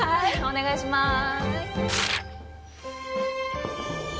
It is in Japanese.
お願いしまーす。